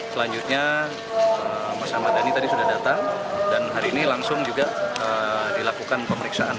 selanjutnya mas ahmad dhani tadi sudah datang dan hari ini langsung juga dilakukan pemeriksaan